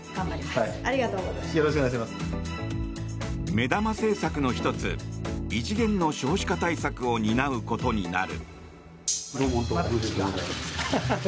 目玉政策の１つ異次元の少子化対策を担うことになる。